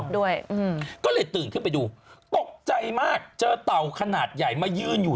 ด้วยอืมก็เลยตื่นขึ้นไปดูตกใจมากเจอเต่าขนาดใหญ่มายืนอยู่